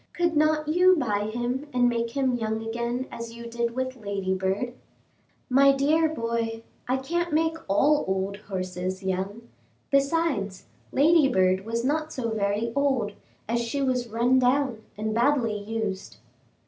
Could not you buy him and make him young again as you did with Ladybird?" "My dear boy, I can't make all old horses young; besides, Ladybird was not so very old, as she was run down and badly used."